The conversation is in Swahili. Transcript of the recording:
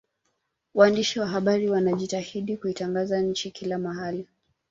waandishi wa habari wanajitahidi kuitangaza nchi kila mahali